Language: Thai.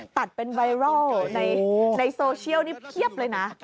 ตัดเป็นไวรัลในโซเชียลนี่เพียบเลยนะ